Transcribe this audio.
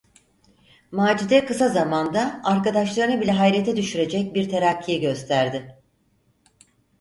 Macide kısa zamanda arkadaşlarını bile hayrete düşürecek bir terakki gösterdi.